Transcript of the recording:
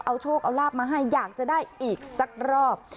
เอาโชคเอาลาบมาให้อยากจะได้อีกสักรอบ